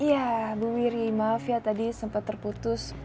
iya bu wiri maaf ya tadi sempat terputus